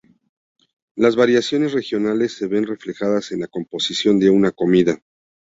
Las variaciones regionales se ven reflejadas en la composición de una comida.